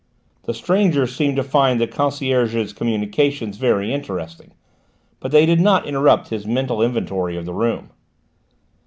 The stranger seemed to find the concierge's communications very interesting, but they did not interrupt his mental inventory of the room.